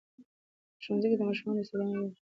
په ښوونځي کې د ماشومانو د استعدادونو تل پوره ملاتړ وکړئ.